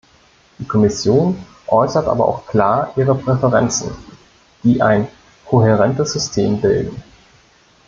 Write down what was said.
Die Kommission äußert aber auch klar ihre Präferenzen, die ein kohärentes System bilden.